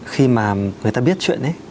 khi mà người ta biết chuyện ấy